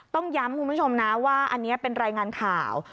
ต้องย้ำคุณผู้ชมนะว่าอันนี้เป็นรายงานข่าว